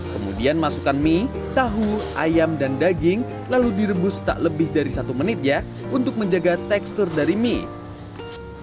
kemudian masukkan mie tahu ayam dan daging lalu direbus tak lebih dari satu menit ya untuk menjaga tekstur dari mie